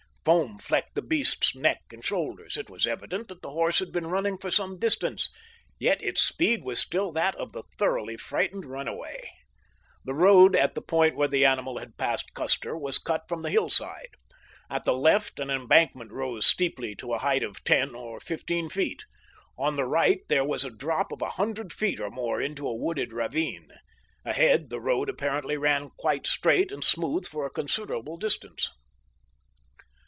Foam flecked the beast's neck and shoulders. It was evident that the horse had been running for some distance, yet its speed was still that of the thoroughly frightened runaway. The road at the point where the animal had passed Custer was cut from the hillside. At the left an embankment rose steeply to a height of ten or fifteen feet. On the right there was a drop of a hundred feet or more into a wooded ravine. Ahead, the road apparently ran quite straight and smooth for a considerable distance.